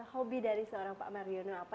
hobi dari seorang pak mardiono apa